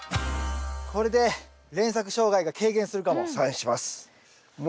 これで連作障害が軽減するかも。